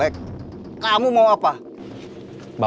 kayaknya kamu tau kurang dari luar